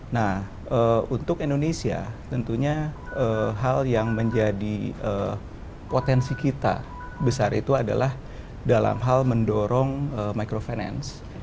nah untuk indonesia tentunya hal yang menjadi potensi kita besar itu adalah dalam hal mendorong microfinance